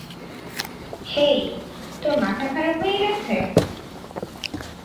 হেই, তোর মাথা খারাপ হয়ে গেছে?